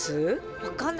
分かんない。